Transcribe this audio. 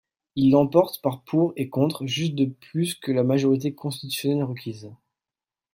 Il l'emporte par pour et contre, juste de plus que la majorité constitutionnelle requise.